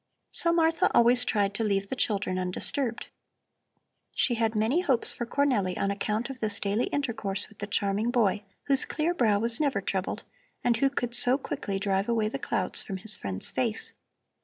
So Martha always tried to leave the children undisturbed. She had many hopes for Cornelli on account of this daily intercourse with the charming boy, whose clear brow was never troubled and who could so quickly drive away the clouds from his friend's face.